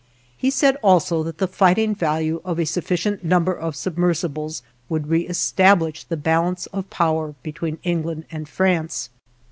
He said also that the fighting value of a sufficient number of submersibles would reëstablish the balance of power between England and France.